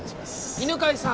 犬飼さん。